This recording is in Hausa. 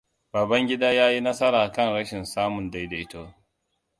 Babangida ya yi nasara kan rashin samun daidaito.